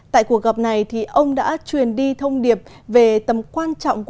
tại cuộc gặp này ông đã truyền đi thông điệp về tầm quan trọng của